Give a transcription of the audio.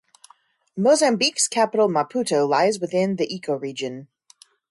Mozambique's capital Maputo lies within the ecoregion.